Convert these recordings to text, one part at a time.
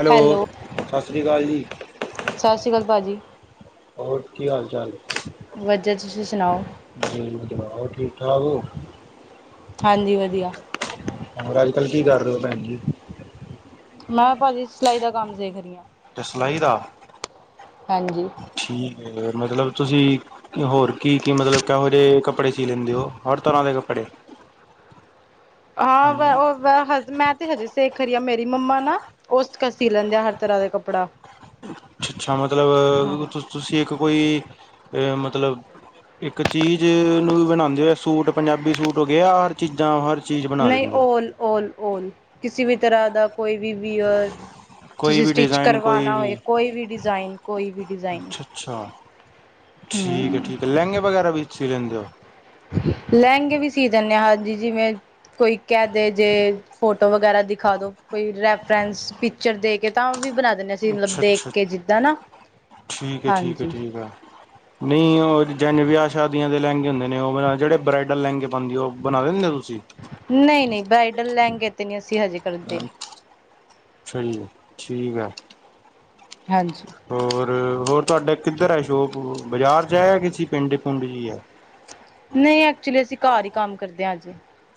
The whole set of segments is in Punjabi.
ਹੈਲੋ ਸਤਿ ਸ਼੍ਰੀ ਅਕਾਲ ਜੀ। ਸਤਿ ਸ਼੍ਰੀ ਅਕਾਲ ਭਾਜੀ ਹੋਰ ਕੀ ਹਾਲ ਚਾਲ ਵਧੀਆ ਤੁਸੀਂ ਸੁਣਾਓ ਜਿਲ ਜਵਾਬ ਠੀਕ-ਠਾਕ ਹੋ। ਹਾਂਜੀ ਵਧੀਆ ਹੋਰ ਅੱਜ-ਕੱਲ ਕੀ ਕਰ ਰਹੇ ਹੋ ਭੈਣ ਜੀ? ਮੈਂ ਭਾਜੀ ਸਿਲਾਈ ਦਾ ਕੰਮ ਸੀਖ ਰਹੀ ਹਾਂ। ਤੇ ਸਲਾਈ ਦਾ ਹਾਂਜੀ ਠੀਕ ਹੈ ਮਤਲਬ ਤੁਸੀਂ ਹੋਰ ਕੀ-ਕੀ ਮਤਲਬ ਕਿਹੋ ਜਿਹੇ ਕੱਪੜੇ ਸੀ ਲੈਂਦੇ ਹੋ ਹਰ ਤਰ੍ਹਾਂ ਦੇ ਕੱਪੜੇ। ਹਾਂ ਉਹ ਮੈਂ ਤੇ ਹਜੇ ਸੇਖ ਰਹੀ ਆ ਮੇਰੀ ਮੰਮਾ ਨਾ ਉਸ ਸੀ ਲੈਂਦੇ ਆ ਹਰ ਤਰ੍ਹਾਂ ਦਾ ਕੱਪੜਾ। ਅੱਛ-ਅੱਛਾ ਹਾਂ। ਮਤਲਬ ਤੁਸੀਂ ਇੱਕ ਕੋਈ ਅ ਮਤਲਬ ਇੱਕ ਚੀਜ਼ ਨੂੰ ਬਣਾਦੇ ਹੋ ਸੂਟ ਪੰਜਾਬੀ ਸੂਟ ਹੋ ਗਿਆ ਹਰ ਚੀਜ਼ਾਂ ਹਰ ਚੀਜ਼ ਬਣਾ ਨਹੀਂ ਦਿੰਦੇ ਹੋ। ਓਲ -ਓਲ ਕਿਸੇ ਵੀ ਤਰ੍ਹਾਂ ਦਾ ਕੋਈ ਵੀਯਰ ਕੋਈ ਤੁਸੀਂ ਵੀ ਸਟਿੱਚ ਡਿਜ਼ਾਇਨ ਕੋਈ ਕਰਵਾਣਾ ਹੋਏ ਵੀ ਕੋਈ ਵੀ ਡਿਜ਼ਾਇਨ ਕੋਈ ਵੀ ਡਿਜ਼ਾਇਨ ਅੱਛਾ ਅੱਛਾ ਹੂੰ ਠੀਕ ਹੈ ਲੈਂਗੇ ਵਗੈਰਾ ਵੀ ਸੀ ਲੈਂਦੇ ਹੋ? ਲੈਂਗੇ ਵੀ ਸੀ ਦਿੰਦੇ ਹਾਂਜੀ ਜਿਵੇਂ ਕੋਈ ਕਹਿ ਦੇ ਜੇ ਫੋਟੋ ਵਗੈਰਾ ਦਿਖਾ ਦੋ ਕੋਈ ਰੈਫਰੈਂਸ ਪਿਕਚਰ ਦੇ ਕੇ ਤਾਂ ਵੀ ਬਣਾ ਦ ਨੇ ਅਸੀਂ ਮਤਲਬ ਅੱਛਾ ਦੇਖ ਅੱਛਾ ਕੇ ਜਿੱਦਾਂ ਨਾ ਠੀਕ ਹੈ ਠੀਕ ਹੈ ਹਾਂਜੀ। ਠੀਕ ਹੈ ਨਹੀਂ ਓ ਜਨ ਵਿਆ ਸ਼ਾਦੀਆਂ ਦੇ ਲੈਂਗੇ ਹੁੰਦੇ ਨੇ ਓ ਜੇੜੇ ਬਰਾਈਡਲ ਲੈਂਗੇ ਪਾਂਦੀ ਓ ਬਣਾ ਦਿੰਦੇ ਓ ਤੁਸੀਂ? ਨਈ-ਨਈ ਬਰਾਾਈਡਲ ਲੈਂਗੇ ਤੇ ਨੀ ਅਸੀਂ ਹਜੇ ਕਰਦੇ। ਅੱਛਾ ਜੀ ਠੀਕ ਐ। ਹਾਂਜੀ। ਹੋਰ-ਹੋਰ ਤੁਹਾਡਾ ਕਿੱਧਰ ਐ ਸ਼ੋਪ ਬਾਜ਼ਾਰ ਚ ਐ ਕਿਸੀ ਪਿੰਡ ਪੁੰਡ ਚ ਈ ਐ ਨਹੀਂ ਐਕਚੁਲੀ ਅਸੀਂ ਘਰ ਹੀ ਕੰਮ ਕਰਦੇ ਹਾਂ ਅਜੇ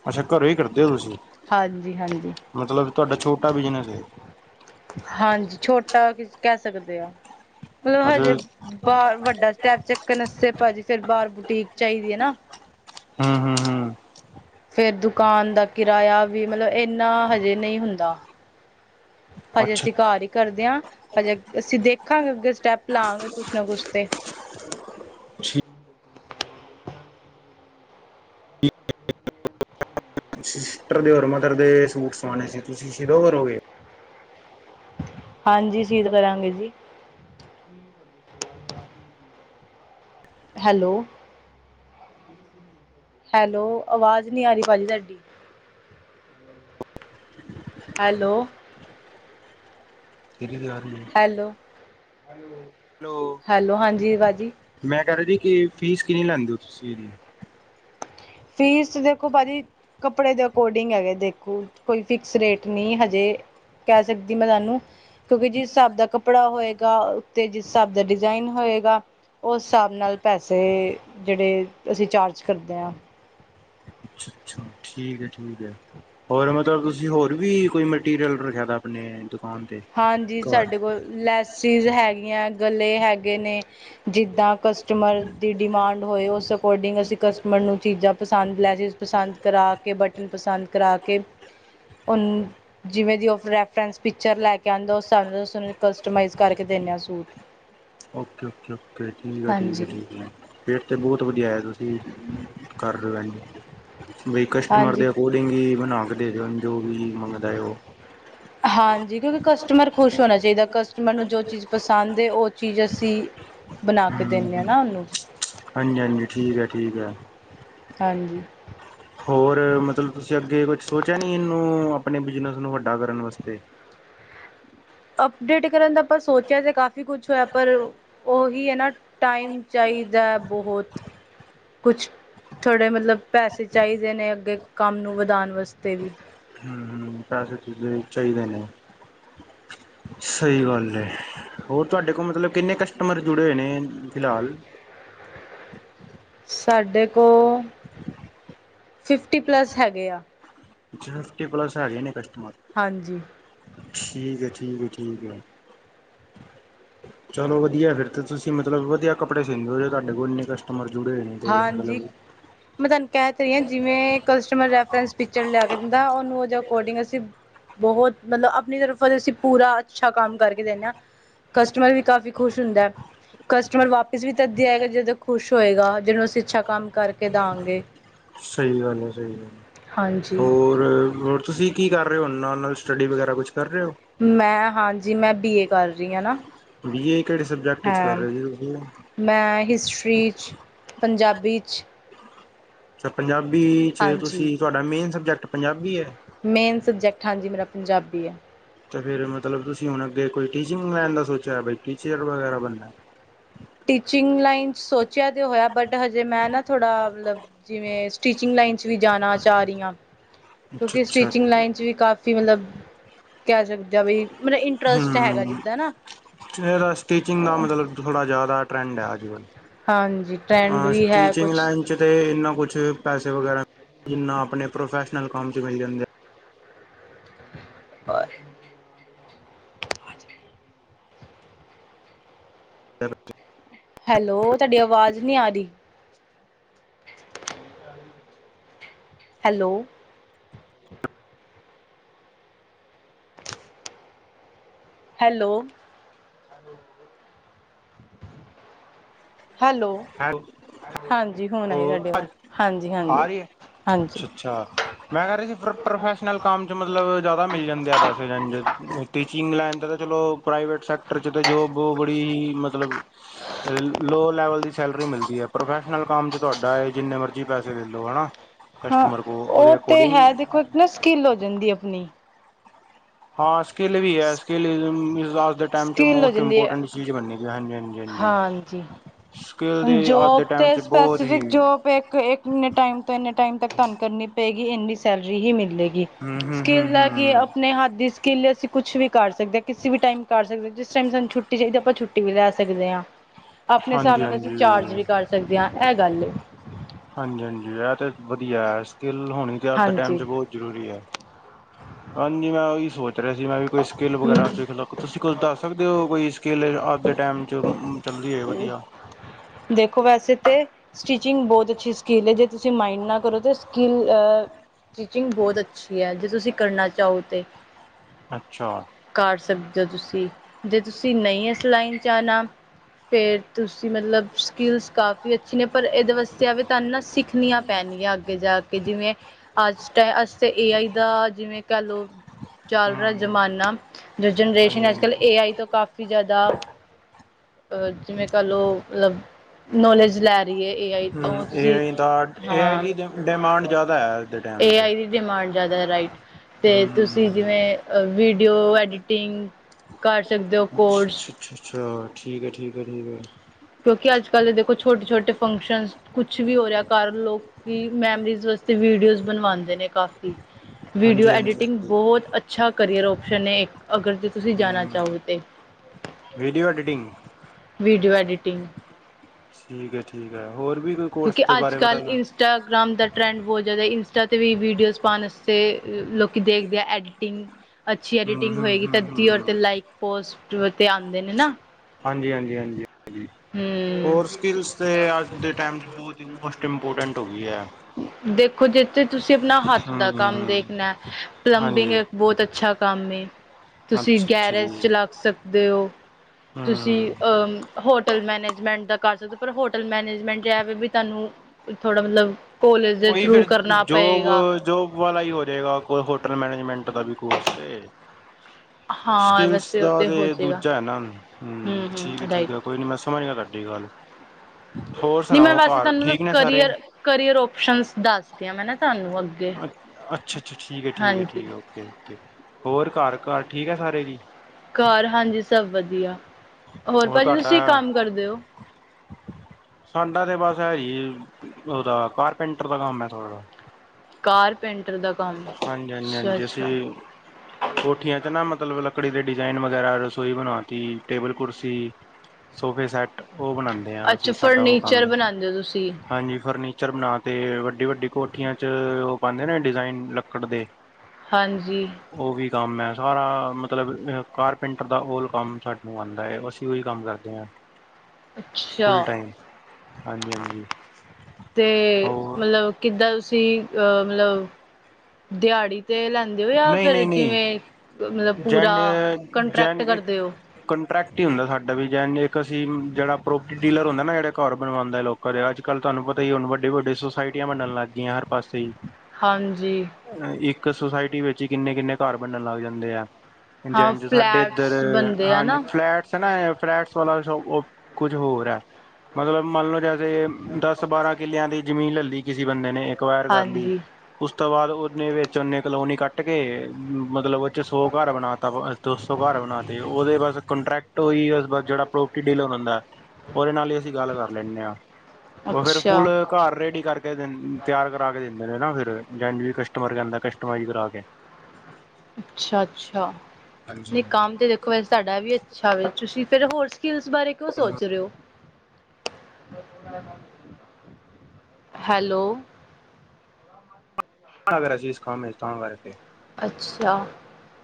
ਅੱਛਾ ਘਰੋਂ ਹੀ ਕਰਦੇ ਹੋ ਤੁਸੀਂ ਹਾਂਜੀ ਮਤਲਬ ਤੁਹਾਡਾ ਛੋਟਾ ਬਿਜਨਸ ਹੈ। ਹਾਂਜੀ ਛੋਟਾ ਕਹਿ ਸਕਦੇ ਹੋ। ਮਤਲਬ ਅੱਛਾ ਹਜੇ ਬਾਹਰ ਵੱਡਾ ਸਟੈਪ ਚੱਕਰ ਨੇ ਪਾਜੀ ਫਿਰ ਬਾਹਰ ਬੁਟੀਕ ਚਾਹੀਦੀ ਹੈ ਨਾ। ਹੂੰ-ਹੂੰ-ਹੂੰ ਫਿਰ ਦੁਕਾਨ ਦਾ ਕਿਰਾਇਆ ਵੀ ਮਤਲਬ ਇੰਨਾ ਹਜੇ ਨਹੀਂ ਹੁੰਦਾ। ਹਜੇ ਅੱਛਾ ਅਸੀਂ ਘਰ ਹੀ ਕਰਦੇ ਹਾਂ ਹਜੇ ਅਸੀਂ ਦੇਖਾਂਗੇ ਅੱਗੇ ਸਟੈਪ ਲਾਗੇ ਕੁਛ ਨਾ ਕੁਛ ਤੇ। ਠੀਕ। ਸਿਸਟਰ ਦੇ ਹੋਰ ਮਦਰ ਦੇ ਸੂਟ ਸਵਾਣੇ ਸੀ ਤੁਸੀਂ ਸ਼ਿਦੋਕਰੋ ਗੇ। ਹਾਂਜੀ ਸੀਦਾ ਕਰਾਂਗੇ ਜੀ। ਹੈਲੋ ਹੈਲੋ, ਆਵਾਜ਼ ਨਹੀਂ ਆ ਰਹੀ ਭਾਅ ਜੀ ਤੁਹਾਡੀ। ਹੈਲੋ [inaudible] ਹੈਲੋ-ਹੈਲੋ, ਹਾਂਜੀ ਭਾਜੀ ਮੈਂ ਕਹਿ ਰਾ ਜੀ, ਕੀ ਫੀਸ ਕਿੰਨੀ ਲੈਂਦੇ ਓ ਤੁਸੀਂ। ਫੀਸ ਦੇਖੋ ਭਾਜੀ ਕੱਪੜੇ ਦੇ ਅਕੋਰਡਿੰਗ ਹੈਗਾ, ਦੇਖੋ ਕੋਈ ਫਿਕਸ ਰੇਟ ਨੀ ਹਜੇ। ਕਹਿ ਸਕਦੀ ਮੈਂ ਤੁਹਾਨੂੰ, ਕਿਉਂਕਿ ਜਿਸ ਹਿਸਾਬ ਦਾ ਕੱਪੜਾ ਹੋਏਗਾ ਤੇ ਜਿਸ ਹਿਸਾਬ ਦਾ ਡਿਜ਼ਾਇਨ ਹੋਏਗਾ। ਓਸ ਹਿਸਾਬ ਨਾਲ ਪੈਸੇ, ਜੇੜੇ ਅਸੀਂ ਚਾਰਜ ਕਰਦੇ ਆ। ਅੱਛਾ-ਅੱਛਾ, ਠੀਕ ਐ-ਠੀਕ ਐ। ਹੋਰ ਮਤਲਬ ਤੁਸੀਂ ਹੋਰ ਵੀ ਕੋਈ ਮਟੀਰੀਅਲ ਰੱਖਿਆ ਦਾ ਆਪਣੇ ਦੁਕਾਨ ਤੇ। ਹਾਂਜੀ ਘਰ ਸਾਡੇ ਕੋਲ ਲੈਸੀਜ਼ ਹੈਗੀਆਂ, ਗਲੇ ਹੈਗੇ ਨੇ, ਜਿੱਦਾਂ ਕਸ ਕਸਟਮਰ ਦੀ ਡਿਮਾਂਡ ਹੋਏ, ਉਸ ਅਕੋਰਡਿੰਗ ਅਸੀਂ ਕਸਟਮਰ ਨੂੰ ਚੀਜ਼ਾਂ ਪ ਸੰਦ ਲੈਸਸ ਪਸੰਦ ਕਰਾ ਕੇ, ਬਟਨ ਪਸੰਦ ਕਰਾ ਕੇ ਹੁਣ ਜਿਵੇਂ ਦੀ ਓਹ ਰੈਫਰੈਂਸ ਪਿਕਚਰ ਲੈ ਕੇ ਆਂਦਾਂ ਉਸ ਸਾਬ ਨਾਲ ਕਸਟਮਾਈਜ਼ ਕਰਕੇ ਦਿੰਨੇ ਆ ਸੂਟ। ਓਕੇ-ਓਕੇ-ਓਕੇ, ਠੀਕ ਐ-ਠੀਕ ਹਾਂਜੀ ਐ-ਠੀਕ ਐ। ਫੇਰ ਤੇ ਬੋਤ ਵਧੀਆ ਐ, ਤੁਸੀਂ ਕਰ ਰੇ ਓ ਇੰਜ, ਬਈ ਕਸਟਮਰ ਹਾਂਜੀ ਦੇ ਅਕੋ ਡਿੰਗ ਈ ਬਣਾ ਕੇ ਦੇ ਦਿਓ, ਜੋ ਵੀ ਮੰਗਦਾ ਐ ਓਹ। ਹਾਂਜੀ ਕਿਉਂਕਿ ਕਸਟਮਰ ਖੁਸ਼ ਹੋਣਾ ਚਾਈਦੈ, ਕਸਟਮਰ ਨੂੰ ਜੋ ਚੀਜ਼ ਪਸੰਦ ਏ, ਓਹ ਚੀਜ਼ ਅਸੀਂ ਬਣਾ ਕੇ ਦਿੰਨੇ ਆ ਨਾ ਓਹਨੂੰ। ਹਾਂਜੀ-ਹਾਂਜੀ, ਠੀਕ ਐ-ਠੀਕ ਐ। ਹਾਂਜੀ। ਹੋਰ ਮਤਲਬ ਤੁਸੀਂ ਅੱਗੇ ਕੁਛ ਸੋਚਿਆ ਨੀ, ਏਨੂੰ ਆਪਣੇ ਬਿਜਨਸ ਨੂੰ ਵੱਡਾ ਕਰਨ ਵਾਸਤੇ। ਅਪਡੇਟ ਕਰਨ ਦਾ ਆਪਾਂ ਸੋਚਿਆ ਤੇ ਕਾਫੀ ਕੁੱਛ ਹੋਇਆ, ਪਰ ਓਹੀ ਐ ਨਾ, ਟਾਈਮ ਚਾਈਦੈ ਬੋਹਤ। ਕੁੱਛ ਥੋੜ੍ਹੇ ਮਤਲਬ ਪੈਸੇ ਚਾਈਦੇ ਨੇ, ਅੱਗੇ ਕੰਮ ਨੂੰ ਵਧਾਣ ਵਾਸਤੇ ਵੀ। ਹੂੰ-ਹੂੰ। ਪੈਸੇ ਪੂਸੇ ਵੀ ਚਾਈਦੇ ਨੇ, ਸਈ ਗੱਲ ਏ। ਹੋਰ ਤੁਹਾਡੇ ਕੋਲ ਮਤਲਬ ਕਿੰਨੇ ਕਸਟਮਰ ਜੁੜੇ ਹੋਏ ਨੇ ਫਿਲਹਾਲ। ਸਾਡੇ ਕੋਲ ਫਿਫਟੀ ਪਲੱਸ ਹੈਗੇ ਆ। ਅੱਛਾ, ਫਿਫਟੀ ਪਲੱਸ ਹੈਗੇ ਨੇ ਕਸਟਮਰ। ਹਾਂਜੀ। ਠੀਕ ਐ-ਠੀਕ ਐ-ਠੀਕ ਐ। ਚਲੋ ਵਧੀਆ ਫਿਰ ਤੇ, ਤੁਸੀਂ ਮਤਲੱਬ ਵਧੀਆ ਕੱਪੜੇ ਸੀਂਦੇ ਹੋ, ਜੇ ਤੁਹਾਡੇ ਕੋਲ ਇਨੇ ਕਸਟਮਰ ਕਸਟਮਰ ਜੁੜੇ ਹੋਏ ਨੇ ਤੇ ਮਤਲਬ। ਹਾਂਜੀ ਮੈਂ ਤੁਹਾਨੂੰ ਕਹਿ ਤੇ ਰਹੀ ਆਂ ਜਿਵੇਂ ਕਸਟਮਰ ਰੇਫਰੈਂਸ ਪਿਕਚਰ ਲਿਆ ਕੇ ਦਿੰਦਾ, ਓਹਨੂੰ ਉਹਦੇ ਅਕੋਰਡਿੰਗ ਅਸੀਂ ਬਹੁਤ ਮਤਲੱਬ ਆਪਣੀ ਤਰਫੋਂ ਅਸੀਂ ਪੂਰਾ ਅੱਛਾ ਕੰਮ ਕਰਕੇ ਦਿੰਨੇ ਆਂ। ਕਸਟਮਰ ਵੀ ਕਾਫੀ ਖੁਸ਼ ਹੁੰਦਾ ਐ, ਕਸਟਮਰ ਵਾਪਿਸ ਵੀ ਤਦੇ ਆਏਗਾ ਜਦੋਂ ਖੁਸ਼ ਹੋਏਗਾ। ਜਿਹਨੂੰ ਅਸੀਂ ਅੱਛਾ ਕੰਮ ਕਰਕੇ ਦਾਂਗੇ। ਸਈ ਗੱਲ ਐ, ਸਈ ਗੱਲ ਐ ਹਾਂਜੀ ਹੋਰ ਰ ਹੋਰ ਤੁਸੀਂ ਕੀ ਕਰ ਰਏ ਓ, ਹੁਣ ਨਾਲ-ਨਾਲ ਸਟੱਡੀ ਵਗੈਰਾ ਕੁੱਛ ਕਰ ਰੇ ਓ। ਮੈਂ ਹਾਂਜੀ, ਮੈਂ ਬੀ ਏ ਕਰ ਰੀ ਆ ਨਾ। ਬੀ ਏ ਕਿਹੜੇ ਸਬਜੈਕਟ ਵਿਚ ਹਾਂ ਕਰ ਰੇ ਓ ਜੀ ਤੁਸੀਂ। ਮੈਂ ਹਿਸਟਰੀ ਚ, ਪੰਜਾਬੀ ਚ। ਅੱਛਾ ਪੰਜਾਬੀ ਚ ਹਾਂਜੀ ਤੁਸੀਂ, ਤੁਹਾਡਾ ਮੇਨ ਸਬਜੈਕਟ ਪੰਜਾਬੀ ਐ। ਮੇਨ ਸਬਜੈਕਟ, ਹਾਂਜੀ ਮੇਰਾ ਪੰਜਾਬੀ ਏ। ਤੇ ਫੇਰ ਮਤਲਬ ਤੁਸੀਂ ਹੁਣ ਅੱਗੇ ਕੋਈ ਟੀਚਿੰਗ ਲੈਣ ਦਾ ਸੋਚਿਆ, ਬਈ ਟੀਚਰ ਵਗੈਰਾ ਬਣਨੈ। ਟੀਚਿੰਗ ਲਾਈਨ 'ਚ ਸੋਚਿਆ ਤੇ ਹੋਇਆ ਬਟ ਹਜੇ ਮੈਂ ਨਾ ਥੋੜਾ ਮਤਲਬ ਜਿਵੇਂ ਸਟੀਚਿੰਗ ਲਾਈਨ ਚ ਵੀ ਜਾਣਾ ਚਾ ਰੀ ਆ। ਕਿਉਂਕਿ ਅੱਛਾ-ਅੱਛਾ ਸਟਿਚਿੰਗ ਲਾਈਨ ਚ ਵੀ ਕਾਫੀ ਮਤਲਬ ਕੈ ਸਕਦੇ ਹਾਂ ਵਈ ਮਤਲੱਬ ਇੰਟਰੱਸਟ ਹੈਗਾ ਹੂੰ ਜਿੱਦਾਂ ਨਾ ਇਹਦਾ ਸਟੀਚਿੰਗ ਦਾ ਮਤਲੱਬ ਥੋੜ੍ਹਾ ਜਿਆਦਾ ਟਰੈਂਡ ਹੈ ਅੱਜ- ਕੱਲ। ਹਾਂਜੀ, ਟਰੈਂਡ ਵੀ ਹੈ ਕੁੱਛ। ਕਿਤੇ ਇੰਨਾ ਕੁਛ ਪੈਸੇ ਵਗੈਰਾ ਜਿੰਨਾ ਆਪਣੇ ਪ੍ਰੋਫੈਸ਼ਨਲ ਕੰਮ 'ਚ ਮਿਲ ਜਾਂਦੇ। ਹਾਂ [unintelligible] ਚ [unintelligible] ਹੈਲੋ! ਤੁਹਾਡੀ ਆਵਾਜ਼ ਨਹੀਂ ਆ ਰਹੀ। Hello hello! ਚਲ [unintelligible] ਹੈਲੋ ਹੈਲ [unintelligible] ਹਾਂਜੀ, ਹੁਣ ਆਈ ਤੁਹਾਡੀ ਆਵਾਜ਼ ਹਾਂਜੀ -ਹਾਂਜੀ ਆ ਰਹੀ ਹੈ -ਹਾਂਜੀ। ਅੱਛਾ ਅੱਛਾ! ਮੈਂ ਕਹਿ ਰਹੀ ਸੀ ਪ੍ਰੋ -ਪ੍ਰੋਫੈਸ਼ਨਲ ਕੰਮ 'ਚ ਮਤਲੱਬ ਜਿਆਦਾ ਮਿਲ ਜਾਂਦੇ ਆ ਪੈਸੇ ਜਾ ਐਂਜ। ਟੀਚਿੰਗ ਲਾਈਨ ਤੇ ਤਾਂ ਚਲੋ ਪ੍ਰਾਈਵੇਟ ਸੈਕਟਰ 'ਚ ਤਾਂ ਜੋਬ ਬੜੀ ਹੀ ਮਤਲੱਬ ਲੋ ਲੈਵਲ ਦੀ ਸੈਲਰੀ ਮਿਲਦੀ ਹੈ ਪ੍ਰੋਫੈਸ਼ਨਲ ਕੰਮ 'ਚ ਤੁਹਾਡਾ ਇਹ ਜਿੰਨੇ ਮਰਜ਼ੀ ਪੈਸੇ ਲੈਲੋ ਹਨਾ। ਹਾਂ ਉਹ ਤੇ ਹੈ, ਦੇਖੋ ਇੱਕ ਨਾ ਸਕਿੱਲ ਹੋ ਜਾਂਦੀ ਆਪਣੀ। ਹਾਂ, ਸਕਿੱਲ ਵੀ ਹੈ। ਸਕਿੱਲ ਅੱਜ ਦੇ ਟਾਈਮ 'ਚ ਸਕਿੱਲ ਹੋ ਮੋਸਟ ਜਾਂਦੀ ਹੈ ਇੰਪੋਰਟੈਂਟ ਚੀਜ਼ ਬਣ ਗਈ। ਹਾਂਜੀ- ਹਾਂਜੀ -ਹਾਂਜੀ ਸਕਿੱਲ ਦੇ ਅੱਜ ਦੇ ਜੋਬ ਤੇ ਟਾਈਮ 'ਚ ਬਹੁਤ ਸਪੈਸੀਫਿਕ ਹੀ ਜੋਬ ਇੱਕ- ਇੱਕ ਇੰਨੇ ਟਾਈਮ ਤੋਂ ਇੰਨੇ ਟਾਈਮ ਤੱਕ ਤਹਾਨੂੰ ਕਰਨੀ ਪਏਗੀ ਇੰਨੀ ਸੈਲਰੀ ਹੀ ਮਿਲੇਗੀ। ਹੂੰ ਹੂੰ ਹੂੰ ਸਕਿੱਲ ਦਾ ਕਿ ਏ ਹੂੰ ਆਪਣੇ ਹੱਥ ਦੀ ਸਕਿੱਲ ਚ ਕੁੱਛ ਵੀ ਕਰ ਸਕਦੇ ਹਾਂ ਕਿਸੇ ਵੀ ਟਾਈਮ ਕਰ ਸਕਦੇ ਹਾਂ ਜਿਸ ਟਾਈਮ ਸਾਨੂੰ ਛੁੱਟੀ ਚਾਹੀਦੀ ਆਪਾਂ ਛੁੱਟੀ ਵੀ ਲੈ ਸਕਦੇ ਹਾਂ। ਆਪਣੇ ਹਿਸਾਬ ਹਾਂਜੀ ਨਾਲ ਅਸੀਂ ਚਾਰਜ ਹਾਂਜੀ ਵੀ ਕਰ ਸਕਦੇ ਹਾਂ ਇਹ ਗੱਲ ਏ। ਹਾਂਜੀ -ਹਾਂਜੀ, ਇਹ ਤੇ ਵਧੀਆ ਐ। ਸਕਿੱਲ ਹੋਣੀ ਤੇ ਅੱਜ ਦੇ ਟਾਈਮ ਹਾਂਜੀ ਚ ਬਹੁਤ ਜ਼ਰੂਰੀ ਹੈ। ਹਾਂਜੀ, ਮੈਂ ਉਹੀ ਸੋਚ ਰਿਹਾ ਸੀ ਮੈਂ ਵੀ ਕੋਈ ਸਕਿੱਲ ਵਗੈਰਾ ਸਿੱਖ ਲਾਂ ਤੁਸੀਂ ਕੁਝ ਦੱਸ ਸਕਦੇ ਹੋ? ਕੋਈ ਸਕਿੱਲ ਅੱਜ ਦੇ ਟਾਈਮ 'ਚ ਚੱਲਦੀ ਹੋਏ ਵਧੀਆ। ਦੇਖੋ ਵੈਸੇ ਤੇ। ਸਟਿਚਿੰਗ ਬਹੁਤ ਅੱਛੀ ਸਕਿੱਲ ਹੈ। ਜੇ ਤੁਸੀਂ ਮਾਈਂਡ ਨਾ ਕਰੋ ਤਾਂ ਸਕਿੱਲ ਅ ਟੀਚਿੰਗ ਬਹੁਤ ਅੱਛੀ ਹੈ। ਜੇ ਤੁਸੀਂ ਕਰਨਾ ਚਾਹੋ ਤੇ। ਅੱਛਾ! ਕਰ ਸਕਦੇ ਹੋ ਤੁਸੀਂ, ਜੇ ਤੁਸੀਂ ਨਹੀਂ ਇਸ ਲਾਈਨ 'ਚ ਆਉਣਾ। ਫੇਰ ਤੁਸੀਂ ਮਤਲਬ ਸਕਿੱਲਸ ਕਾ ਵੀ ਅੱਛੀ ਨੇ ਪਰ ਇਹਦੇ ਵਾਸਤੇ ਵੀ ਤੁਹਾਨੂੰ ਨਾ ਸਿੱਖਣੀਆਂ ਪੈਣੀਆਂ ਅੱਗੇ ਜਾ ਕੇ। ਜਿਵੇਂ ਅੱਜ ਟ ਅਜ ਤੇ ਏ ਆਈ ਦਾ ਜਿਵੇਂ ਕਹਿ ਲਓ। ਚੱਲ ਰਿਹਾ ਹੂੰ ਜ਼ਮਾਨਾ ਜੋ ਹਾਂਜੀ ਜਨਰੇਸ਼ਨ ਅੱਜ ਹਾਂਜੀ -ਕੱਲ੍ਹ ਏ ਆਈ ਤੋਂ ਕਾਫ਼ੀ ਜ਼ਿਆਦਾ [unintelligible] ਜਿਵੇਂ ਕਹਿ ਲਓ ਮਤਲੱਬ- ਨੌਲੇਜ ਲੈ ਰਹੀ ਹੈ ਏ ਆਈ ਤੋਂ ਹੂੰ ਏ ਤੁਸੀਂ, ਆਈ ਦਾ ਏ ਆਈ ਹਾਂ। ਦੀ ਡਿਮਾਂਡ ਜ਼ਿਆਦਾ ਹੈ ਅੱਜ ਦੇ ਟਾਈਮ ਏ 'ਚ ਆਈ ਦੀ ਡਿਮਾਂਡ ਜ਼ਿਆਦਾ, ਰਾਈਟ ਅਤੇ ਹੂੰ ਹੂੰ ਤੁਸੀਂ ਹੂੰ ਜਿਵੇਂ ਵੀਡੀਓ ਐਡੀਟਿੰਗ ਕਰ ਸਕਦੇ ਹੋ, ਕੋਰਸ। ਅੱਛਾ ਅੱਛਾ -ਅੱਛਾ, ਠੀਕ ਹੈ -ਠੀਕ ਹੈ -ਠੀਕ ਹੈ। ਕਿਉਂਕਿ ਅੱਜ -ਕੱਲ੍ਹ ਦੇਖੋ ਛੋਟੇ- ਛੋਟੇ ਫੰਕਸ਼ਨ ਕੁੱਛ ਵੀ ਹੋ ਰਿਹਾ ਘਰ ਲੋ ਵੀ ਮੈਮਰੀਜ਼ ਵਾਸਤੇ ਵੀਡੀਓਜ਼ ਬਣਵਾਉਂਦੇ ਨੇ ਕਾਫੀ ਵੀਡੀਓ ਹਾਂਜੀ ਹਾਂਜੀ ਐਡਿਟਿੰਗ ਹਾਂਜੀ ਬਹੁੱਤ ਅੱਛਾ ਕਰਿਅਰ ਓਪਸ਼ਨ ਹੈ ਇੱਕ ਅਗਰ ਤੁਸੀਂ ਜਾਣਾ ਹੂੰ, ਚਾਹੋ ਤੇ ਵੀਡੀਓ ਐਡੀਟਿੰਗ। Video editing. ਠੀਕ ਆ ਠੀਕ ਹੋਰ ਵੀ ਕੋਈ। ਕੋਰਸ ਕਿਉਂਕਿ ਦੇ ਅੱਜ ਬਾਰੇ ਪਤਾ ਕੱਲ੍ਹ ਇੰਸਟਾਗ੍ਰਾਮ ਦਾ। ਟਰੈਂਡ ਬਹੁਤ ਜ਼ਿਆਦਾ ਇੰਸਟਾਗ੍ਰਾਮ 'ਤੇ ਵੀਡੀਓਜ਼ ਪਾਉਣ ਵਾਸਤੇ ਲੋਕ ਦੇਖਦੇ ਆ ਐਡੀਟਿੰਗ। ਅੱਛੀ ਹੂੰ ਐਡੀਟਿੰਗ ਹੂੰ ਹੋਏਗੀ ਤੇ ਹੂੰ ਅੱਧੀ ਔਰ ਤੇ ਹੂੰ ਲਾਈਕ ਪੋਸਟ ਤੇ ਆਂਦੇ ਨੇ ਨਾ। ਹਾਂਜੀ ਹਾਂਜੀ, ਹਾਂਜੀ ਹਾਂ ਹੋਰ ਹਮ ਸਕਿੱਲਸ ਤੇ ਅੱਜ ਦੇ ਟਾਈਮ ਚ ਬਹੁਤ ਮੋਸਟ ਇੰਪੋਰਟੈਂਟ ਹੋ ਗਈ ਐ। ਦੇਖੋ ਜਿੱਸ ਚ ਤੁਸੀਂ ਆਪਣਾ ਹੱਥ ਦਾ ਕੰਮ ਹਮ ਦੇਖਣਾ। ਪਲਬਿੰਗ ਹਾਂਜੀ ਇੱਕ ਬਹੁਤ ਅੱਛਾ ਕੰਮ ਐ। ਤੁਸੀਂ ਅੱਛਾ ਅੱਛਾ ਗੈਰੇਜ ਜੀ ਚ ਲੱਗ ਸਕਦੇ ਹੋ ਤੁਸੀਂ ਹਮ ਅਹ। ਹੋਟਲ ਮੈਨੇਜਮੈਂਟ ਦਾ ਕਰ ਸਕਦੇ ਹੋ, ਪਰ ਹੋਟਲ ਮੈਨੇਜਮੈਂਟ ਚ ਵੀ ਤੁਹਾਨੂੰ ਥੋੜ੍ਹਾ ਮਤਲਬ। ਕੋਲਜ ਦੇ ਉਹੀ ਥਰੂ ਫੇਰ ਕਰਨਾ ਪਏਗਾ ਜੋਬ- ਜੋਬ। ਵਾਲਾ ਹੀ ਹੋ ਜੇਗਾ, ਕੋਈ ਹੋਟਲ ਮੈਨੇਜਮੈਂਟ ਦਾ ਵੀ ਕੋਰਸ ਏ। ਹਾਂ ਸਕਿੱਲਸ ਵੈਸੇ ਉਹ ਦਾ ਹੋ ਤੇ ਜਾਏਗਾ ਦੂਜਾ ਐ ਨਾ। ਹੂੰ, ਠੀਕ ਆ ਠੀਕ ਆ ਕੋਈ ਨੀ ਮੈਂ ਸਮਝ ਗਿਆ ਨਾ ਤੁਹਾਡੀ ਗੱਲ। ਹੋਰ ਨਹੀਂ ਮੈਂ ਸੁਣਾਓ ਵੈਸੇ ਘਰ ਤੁਹਾਨੂੰ ਮਤਲਬ ਠੀਕ ਨੇ ਸਾਰੇ ਕਰੀਅਰ-ਕਰੀਅਰ, ਓ ਦੱਸਦੀ ਹਾਂ ਮੈਂ ਨਾ ਤੁਹਾਨੂੰ ਅੱ। ਅੱ ਅੱਛਾ-ਅੱਛਾ ਠੀਕ ਐ ਠੀਕ ਐ ਠੀ ਐ ਓਕੇ -ਓਕੇ ਹੋਰ ਘਰ-ਘਰ ਠੀਕ ਐ ਸਾਰੇ ਜੀ। ਘਰ ਹਾਂਜੀ ਸਭ ਵਧੀਆ ਹੋਰ ਭਾਜੀ ਤੁਸੀਂ ਇੱਕ ਕੰਮ ਕਰਦੇ ਹੋ। ਸਾਡਾ ਤੇ ਬਸ ਇਹੀ ਜੀ ਉਹਦਾ ਕਾਰਪੈਂਟਰ ਦਾ ਕੰਮ ਹੈ ਥੋੜਾ ਜਾ। ਕਾਰਪੈਂਟਰ ਦਾ ਕੰਮ ਹੈ ਹਾਂਜੀ ਹਾਂਜੀ ਹਾਂਜੀ ਅੱਛਾ-ਅੱਛਾ। ਅਸੀਂ ਕੋਠੀਆਂ ਚ ਨਾ ਮਤਲਬ ਲੱਕੜੀ ਦੇ ਡਿਜ਼ਾਇਨ ਵਗੈਰਾ ਰਸੋਈ ਬਣਾਤੀ ਟੇਬਲ ਕੁਰਸੀ। ਸੋਫੇ ਸੈਟ ਉਹ ਬਣਾਂਦੇ ਆ ਅੱਛਾ ਅਸੀਂ ਸਾਡਾ ਉਹ ਕੰਮ ਫਰਨੀਚਰ ਬਣਾਉਂਦੇ ਹੋ ਤੁਸੀਂ ਹਾਂਜੀ ਫਰਨੀਚਰ। ਬਣਾ ਤੇ ਵੱਡੀ ਵੱਡੀ ਕੋਠੀਆਂ ਚ ਉਹ ਪਾਂਦੇ ਨੇ ਡਿਜ਼ਾਇਨ ਲੱਕੜ ਦੇ। ਹਾਂਜੀ। ਉਹ ਵੀ ਕੰਮ ਐ ਸਾਰਾ ਮਤਲਬ ਕਾਰਪੈਂਟਰ ਦਾ ਉਹ ਕੰਮ ਸਾਨੂੰ ਆਂਦੇ ਆ, ਅਸੀਂ ਉਹੀ ਕੰਮ ਕਰਦੇ ਹਾਂ। [unintelligible] ਅੱਛਾ ਫੁੱਲ ਟਾਈਮ ਹਾਂਜੀ ਹਾਂਜੀ ਤੇ ਹੋਰ ਮਤਲਬ। ਕਿੱਦਾਂ ਤੁਸੀਂ ਅਹ ਮਤਲਬ ਦਿਹਾੜੀ ਤੇ ਲੈਂਦੇ। ਹੋ ਜਾਂ ਨਹੀਂ ਫਿਰ ਨਹੀਂ ਨਹੀਂ ਜਿਵੇਂ ਮਤਲਬ ਪੂਰਾ ਜੈਨ ਕੰਟਰੈਕਟ ਜੈਨ ਕਰਦੇ ਓ। ਕੰਟਰੈਕਟ ਹੀ ਹੁੰਦਾ, ਸਾਡਾ ਵੀ ਇੱਕ ਅਸੀਂ ਜਿਹੜਾ ਪ੍ਰੋਪਰਟੀ ਡੀਲਰ ਹੁੰਦਾ ਨਾ ਜਿਹੜਾ ਘਰ ਬਣਵਾਂਦੇ ਲੋਕ। ਕਰ ਅੱਜ ਕੱਲ੍ਹ ਤੁਹਾਨੂੰ ਪਤਾ ਹੀ, ਹੁਣ ਵੱਡੇ -ਵੱਡੇ ਸੋਸਾਇਟੀਆਂ ਬਣਨ ਲੱਗ ਗਈਆਂ ਹਰ ਪਾਸੇ ਹੀ। ਹਾਂਜੀ। ਇੱਕ ਸੁਸਾਇਟੀ ਵਿੱਚ ਕਿੰਨੇ ਕਿੰਨੇ ਘਰ ਬਣਨ ਲੱਗ ਜਾਂਦੇ ਆ। ਹਾਂ ਹਾਂਜੀ-ਹਾਂਜੀ ਸਾਡੇ ਇੱਧਰ ਫਲੈਟਸ ਬਣਦੇ ਆ ਹਾਂਜੀ ਨਾ ਫਲੈਟਸ ਨਾ। ਫਲੈਟਸ ਵਾਲਾ ਸ਼ੋ ਕੁਝ ਹੋਰ ਐ। ਮਤਲਬ ਮੰਨ ਲਓ ਜੈਸੇ ਦਸ ਬਾਰਾਂ ਕਿੱਲਿਆਂ ਦੀ ਜ਼ਮੀਨ ਲੈ ਲੀ ਕਿਸੇ ਬੰਦੇ ਨੇ। ਕਰ ਲਈ ਹਾਂਜੀ ਉਸ ਤੋਂ ਬਾਅਦ ਉਹਨੇ ਵਿੱਚ ਓਨੇ ਕਲੋਨੀ ਕੱਟ ਕੇ ਮਤਲਬ ਸੌ ਘਰ ਬਣਾ ਤੇ ਦੋ ਸੌ ਘਰ ਬਣਾ ਤਾਂ ਉਹਦੇ ਬਸ ਕੰਟਰੈਕਟ ਹੋਈ ਉਸ ਬਸ ਅ ਜਿਹੜਾ ਪ੍ਰੋਪਰਟੀ ਡੀਲਰ ਹੁੰਦਾ ਉਹਦੇ ਨਾਲ ਹੀ ਅਸੀਂ ਗੱਲ ਕਰ ਲੈਣੇ ਆ। ਅੱਛਾ। ਘਰ ਰੈਡੀ ਕਰਕੇ ਤਿਆਰ ਕਰਾਕੇ ਦਿੰਦੇ ਨੇ ਨਾ ਫਿਰ ਜਾਂ ਵੀ ਕਸਟਮਰ ਕਹਿੰਦਾ ਕਸਟਮਾਈਜ਼ ਕਰਾ। ਕੇ। ਅੱਛਾ-ਅੱਛਾ, ਨਹੀਂ ਕੰਮ ਤੇ ਦੇਖੋ ਵੈਸੇ ਤੁਹਾਡਾ ਵੀ ਅੱਛਾ ਵੈ ਤੁਸੀਂ ਫਿਰ ਹੋਰ। ਸਕਿੱਲਸ ਬਾਰੇ ਕਿਉਂ ਸੋਚ ਰਹੇ ਹੋ। ਹੈਲੋ। ਅਗਰਸੀਜ਼ ਕੰਮ ਵਿੱਚ ਤਾਂ ਕਰਕੇ। ਅੱਛਾ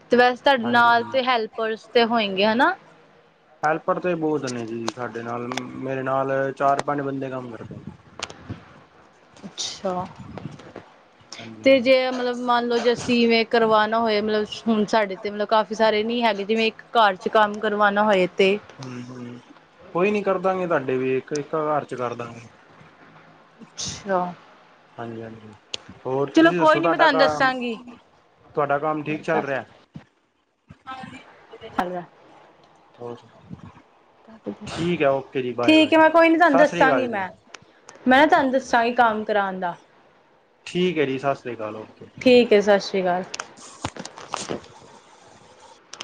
ਤੇ ਵੈਸੇ ਤੁਹਾਡੇ ਨਾਲ ਹਾਂਜੀ ਤੇ ਹੈਲਪਰਸ ਤੇ ਹੋਏਗੇ ਹਨਾ। ਹੈਲਪਰ ਤਾਂ ਬਹੁਤ ਨੇ ਜੀ ਸਾਡੇ ਨਾਲ ਮੇਰੇ ਨਾਲ ਚਾਰ ਪੰਜ ਬੰਦੇ ਕੰਮ ਕਰਦੇ। ਅੱਛਾ। ਹਾਂਜੀ ਤੇ ਜੇ ਮਤਲਬ ਮੰਨ ਲੋ, ਜੇ ਅਸੀ ਵੇਂ ਕਰਵਾਣਾ ਹੋਏ ਮਤਲਬ ਹੁਣ ਸਾਡੇ ਤੇ ਮਤਲਬ ਕਾਫੀ ਸਾਰੇ ਨੀ ਹੈਗੇ ਜਿਵੇਂ ਇੱਕ ਘਰ ਚ ਕੰਮ ਕਰਵਾਣਾ ਹੋਏ ਅਤੇ ਹੂੰ-ਹੂੰ ਕੋਈ ਨੀ ਕਰਦਾਂਗੇ। ਤੁਹਾਡੇ ਵੀ ਇੱਕ-ਇੱਕ ਘਰ ਚ ਕਰਦਾਂਗੇ। ਅੱਛਾ। ਹਾਂਜੀ-ਹਾਂਜੀ ਹੋਰ ਚਲੋ ਤੁਸੀਂ ਕੋਈ ਦੱਸੋ ਨੀ ਮੈਂ ਤੁਆਡਾ ਤੁਹਾਨੂੰ ਕੰਮ ਦੱਸਾਂਗੀ ਤੁਹਾਡਾ ਕੰਮ ਠੀਕ ਚੱਲ ਰਿਆ। ਆਹ ਲੈ। [unintelligible] ਠੀਕ ਹੈ ਓਕੇ ਜੀ ਬਾਏ ਠੀਕ ਐ ਮੈਂ ਕੋਈ ਬਾਏ ਨੀ ਤੁਹਾਨੂੰ ਸਤਿ ਸ੍ਰੀ ਦੱਸਾਂਗੀ ਅਕਾਲ ਜੀ ਮੈਂ ਮੈਂ ਤੁਆਨੂੰ ਦੱਸਾਂਗੀ ਕੰਮ ਕਰਾਣ ਦਾ ਠੀਕ ਹੈ ਜੀ ਸਤਿ ਸ੍ਰੀ ਅਕਾਲ ਓਕੇ। ਠੀਕ ਸਤਿ ਸ੍ਰੀ ਅਕਾਲ।